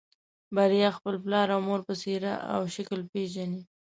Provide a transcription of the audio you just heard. بريا خپل پلار او مور په څېره او شکل پېژني.